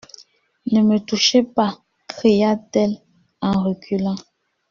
Ne me touchez pas ! cria-t-elle en reculant.